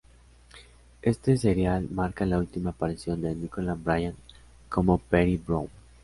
Este serial marca la última aparición de Nicola Bryant como Peri Brown.